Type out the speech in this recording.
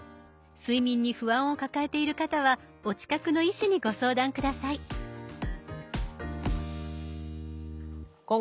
睡眠に不安を抱えている方はお近くの医師にご相談下さい。